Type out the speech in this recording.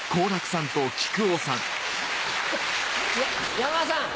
山田さん